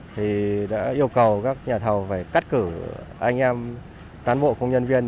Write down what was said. thì đã yêu cầu các nhà thầu phải cắt cử anh em cán bộ công nhân viên